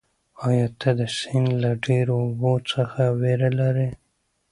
ایا ته د سیند له ډېرو اوبو څخه وېره لرې؟